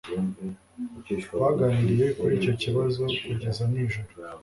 Twaganiriye kuri icyo kibazo kugeza nijoro